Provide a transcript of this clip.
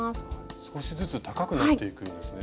少しずつ高くなっていくんですね？